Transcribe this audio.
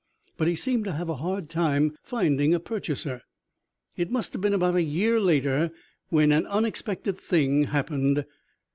But he seemed to have a hard time finding a purchaser. "It must have been about a year later when an unexpected thing happened.